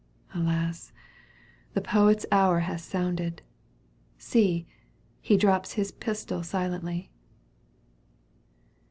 alas 1 The poet's hour hath sounded — See ! He drops his pistol silently.